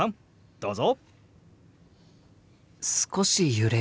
どうぞ。